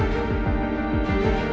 saya jangan dlatego